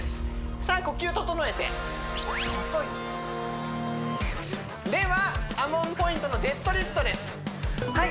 さあ呼吸整えてはいではＡＭＯＮポイントのデッドリフトです